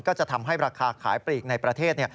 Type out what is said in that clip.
ก็จะทำให้ราคาขายปลีกในประเทศ